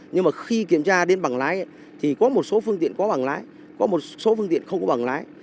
nhưng mà khi kiểm tra đến bằng lái thì có một số phương tiện có bằng lái có một số phương tiện không có bằng lái